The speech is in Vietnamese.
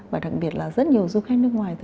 và đặc biệt là rất nhiều du khách nước ngoài